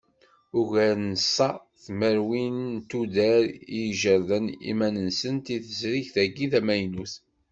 Ugar n ṣa tmerwin n tuddar i ijerrden iman-nsent i tezrigt-agi tamaynut.